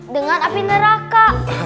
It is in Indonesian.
dengan api neraka